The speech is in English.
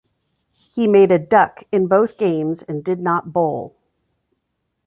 He made a duck in both games and did not bowl.